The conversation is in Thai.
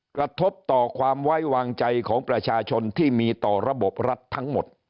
กระทบต่อความไว้วางใจของประชาชนที่มีต่อระบบรัฐทั้งหมด